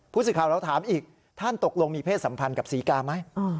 ผู้สื่อข่าวเราถามอีกท่านตกลงมีเพศสัมพันธ์กับศรีกาไหม